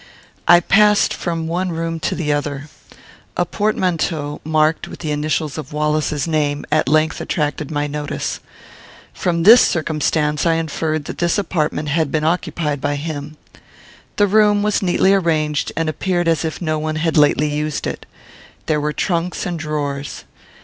I passed from one room to the other. A portmanteau, marked with the initials of Wallace's name, at length attracted my notice. From this circumstance I inferred that this apartment had been occupied by him. The room was neatly arranged, and appeared as if no one had lately used it. There were trunks and drawers.